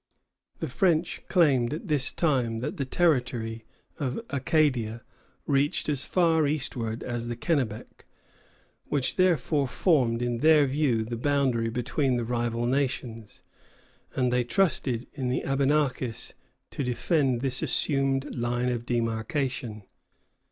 The French claimed at this time that the territory of Acadia reached as far westward as the Kennebec, which therefore formed, in their view, the boundary between the rival nations, and they trusted in the Abenakis to defend this assumed line of demarcation.